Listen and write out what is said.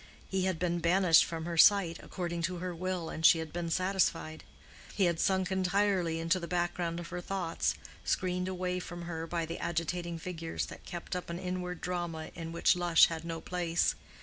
He had been banished from her sight, according to her will, and she had been satisfied; he had sunk entirely into the background of her thoughts, screened away from her by the agitating figures that kept up an inward drama in which Lush had no place.